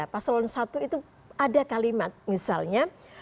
paslon satu itu ada kalimat misalnya